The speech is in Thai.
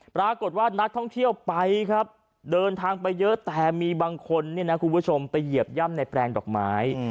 ปรากฏว่านักท่องเที่ยวไปครับเดินทางไปเยอะแต่มีบางคนเนี่ยนะคุณผู้ชมไปเหยียบย่ำในแปลงดอกไม้